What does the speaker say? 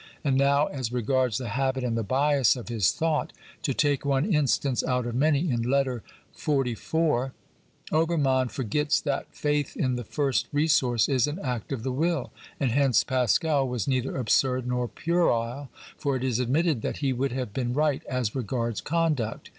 And now as regards the habit and the bias of his thought, to take one instance out of many, in Letter XLIV. ObermuTin forgets that faith in the first resource is an act of the will, and hence Pascal was neither absurd nor puerile, for it is admitted that he would have been right as regards conduct.